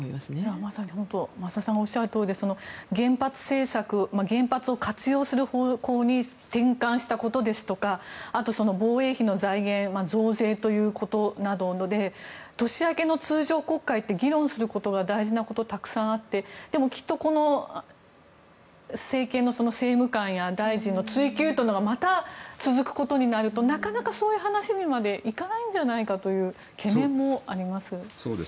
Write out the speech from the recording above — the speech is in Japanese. まさに増田さんがおっしゃるとおりで原発政策、原発を活用する方向に転換したことですとかあと防衛費の財源増税などということで年明けの通常国会で議論することが大事なことたくさんあってでもきっと、政権の政務官や大臣の追及というのがまた続くことになるとなかなかそういう話にまで行かないんじゃないかという懸念もあります。